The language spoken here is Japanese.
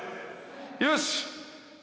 よし。